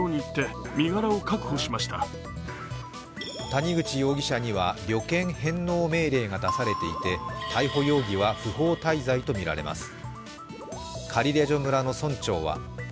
谷口容疑者には旅券返納命令が出されていて逮捕容疑は不法滞在とみられます。